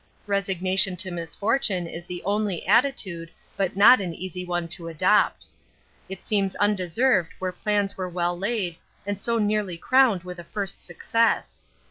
Resignation to misfortune is the only attitude, but not an easy one to adopt. It seems undeserved where plans were well laid and so nearly crowned with a first success.